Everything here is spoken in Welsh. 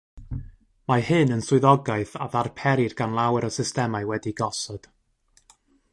Mae hyn yn swyddogaeth a ddarperir gan lawer o systemau wedi'u gosod.